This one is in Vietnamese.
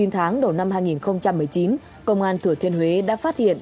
chín tháng đầu năm hai nghìn một mươi chín công an thừa thiên huế đã phát hiện